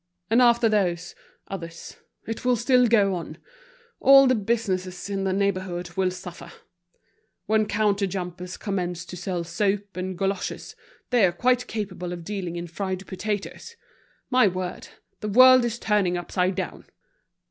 And after those, others; it will still go on! All the businesses in the neighborhood will suffer. When counter jumpers commence to sell soap and goloshes, they are quite capable of dealing in fried potatoes. My word, the world is turning upside down!"